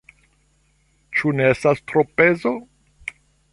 Ĉu ne estas tropezo?